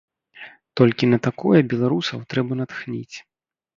Толькі на такое беларусаў трэба натхніць.